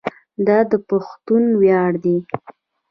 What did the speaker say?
دا د پښتنو ویاړ دی.